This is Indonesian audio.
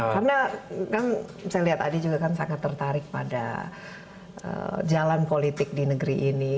karena kan saya lihat adi juga kan sangat tertarik pada jalan politik di negeri ini